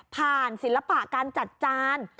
ผ่านศิลปะการจัดจาน